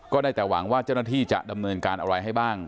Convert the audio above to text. ได้แต่หวังว่าเจ้าหน้าที่จะดำเนินการอะไรให้บ้าง